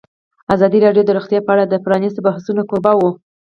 ازادي راډیو د روغتیا په اړه د پرانیستو بحثونو کوربه وه.